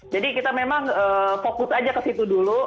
jadi kita memang fokus aja ke situ dulu